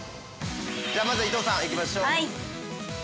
◆じゃあ、まずは伊藤さん、いきましょう。